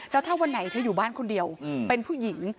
แล้วถ้าวันไหนเธออยู่บ้านคนเดียวเป็นผู้หญิง